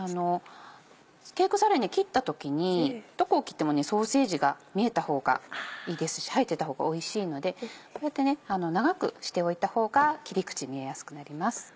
ケークサレ切った時にどこを切ってもソーセージが見えた方がいいですし入ってた方がおいしいのでこうやって長くしておいた方が切り口見えやすくなります。